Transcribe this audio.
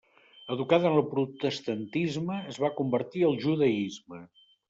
Educada en el protestantisme, es va convertir al Judaisme.